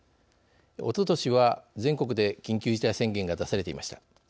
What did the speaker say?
おととしは、全国で緊急事態宣言が出されていました。